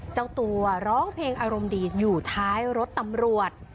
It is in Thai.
เจ้าตัวร้องเพลงอารมณ์ดีอยู่ท้ายรถตำรวจ